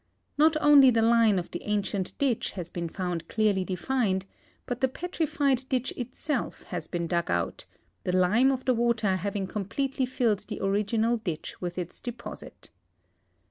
Not only the line of the ancient ditch has been found clearly defined, but the petrified ditch itself has been dug out, the lime of the water having completely filled the original ditch with its deposit.